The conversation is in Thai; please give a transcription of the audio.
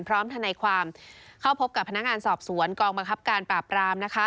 ทนายความเข้าพบกับพนักงานสอบสวนกองบังคับการปราบราม